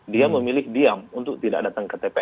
dia memilih diam untuk tidak datang ke tps